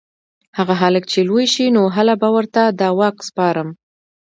هغه هلک چې لوی شي نو هله به ورته دا واک سپارم